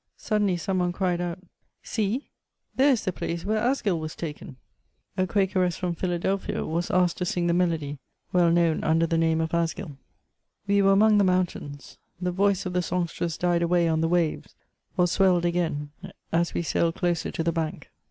Suddenly some one cried out, See^ there is the place where Asgill was taken r A Quakeress, from Philadelphia, was asked to sing the melody, well known under the name of AsgilL We were among the mountains. The voice of the songstress died away on the waves, or swelled again as we sailed closer to the bank.